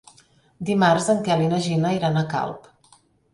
Dimarts en Quel i na Gina iran a Calp.